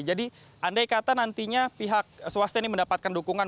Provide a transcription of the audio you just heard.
jadi andai kata nantinya pihak swasta ini mendapatkan dukungan